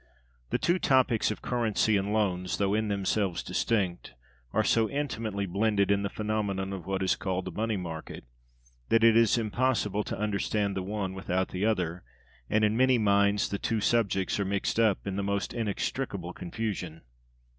The two topics of Currency and Loans, though in themselves distinct, are so intimately blended in the phenomena of what is called the money market, that it is impossible to understand the one without the other, and in many minds the two subjects are mixed up in the most inextricable confusion.